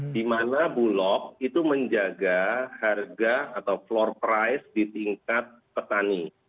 di mana bulog itu menjaga harga atau floor price di tingkat petani